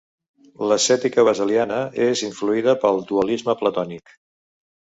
L'ascètica basiliana és influïda pel dualisme platònic.